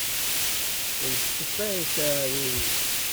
Teltef-as aɛrur-is.